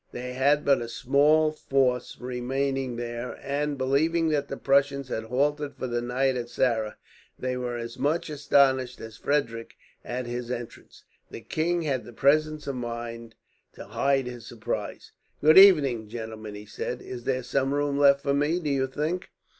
They had but a small force remaining there and, believing that the Prussians had halted for the night at Saara, they were as much astonished as Frederick at his entrance. The king had the presence of mind to hide his surprise. "Good evening, gentlemen!" he said. "Is there still room left for me, do you think?"